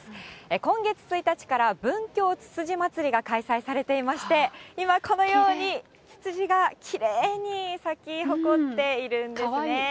今月１日から文京つつじまつりが開催されていまして、今、このように、つつじがきれいに咲き誇っているんですね。